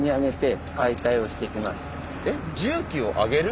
え重機を上げる？